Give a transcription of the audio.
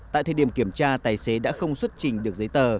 tại thời điểm kiểm tra tài xế đã không xuất trình được giấy tờ